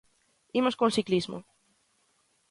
Imos con ciclismo.